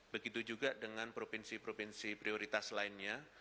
begitu juga dengan provinsi provinsi prioritas lainnya